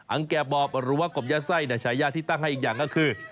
อังแก่บอบหรือกบยัดไส้ใช้ยาที่ตั้งให้อีกอย่างคือ